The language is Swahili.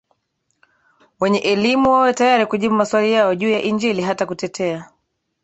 wenye elimuWawe tayari kujibu maswali yao juu ya Injili hata kutetea